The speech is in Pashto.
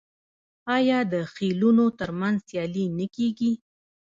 آیا د خیلونو ترمنځ سیالي نه کیږي؟